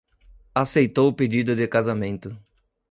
Aceitou o pedido de casamento